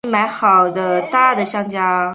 红色小巴